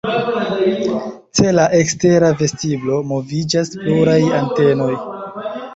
Ce la ekstera vestiblo moviĝas pluraj antenoj.